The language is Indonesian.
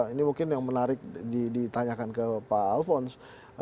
ini mungkin yang menarik ditanyakan ke pak alfons